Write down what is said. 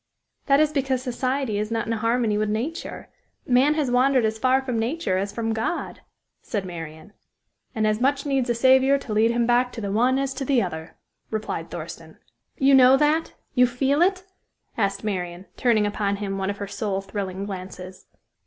"That is because society is not in harmony with nature; man has wandered as far from nature as from God," said Marian. "And as much needs a Saviour to lead him back to the one as to the other," replied Thurston. "You know that you feel it?" asked Marian, turning upon him one of her soul thrilling glances.